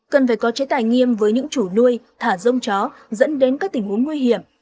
cần phải có chế tài nghiêm với những chủ nuôi thả rông chó dẫn đến các tình huống nguy hiểm